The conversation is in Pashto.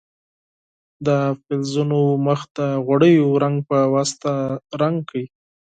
د فلزونو مخ د غوړیو رنګ په واسطه رنګ کړئ.